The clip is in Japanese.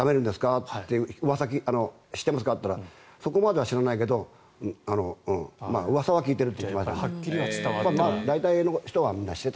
ってうわさを知っていますかって聞いたらそこまで走らないけどうん、まあ、うわさは聞いてると言っていた。